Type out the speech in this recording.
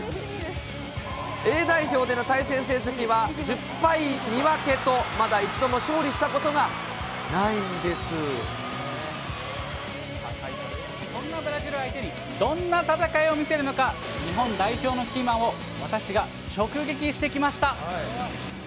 Ａ代表での対戦成績は１０敗２分けと、まだ一度も勝利したことがそんなブラジル相手に、どんな戦いを見せるのか、日本代表のキーマンを私が直撃してきました。